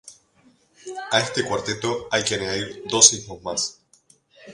A este cuarteto hay que añadir dos ismos más.